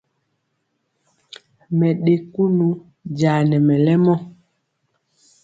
Mɛ ɗe kunu jaa nɛ mɛlɛmɔ.